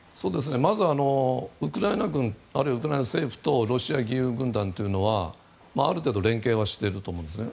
まずは、ウクライナ軍あるいはウクライナ政府とロシア義勇軍団というのはある程度、連携はしてると思うんですね。